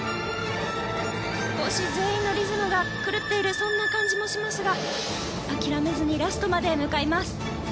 少し全員のリズムが狂っているそんな感じもしますが諦めずにラストまで向かいます。